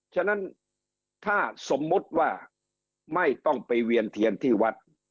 ฉะนั้นถ้าสมมุติว่าไม่ต้องไปเวียนเทียนที่วัด